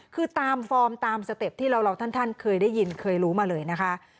คือตามฟอร์มตามสเต็ปที่เราท่านเคยได้ยินเคยรู้มาเลยนะคะ